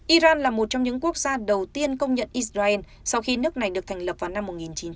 iran là một trong những quốc gia đầu tiên công nhận israel sau khi nước này được thành lập vào năm một nghìn chín trăm chín mươi